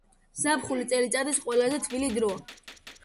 ზაფხული წელიწადის ყველაზე თბილი დროა.